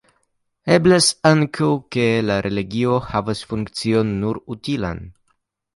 Eblas ankaŭ ke la religio havas funkcion nur utilan.